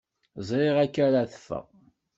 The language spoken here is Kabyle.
Ẓriɣ akka ara teffeɣ.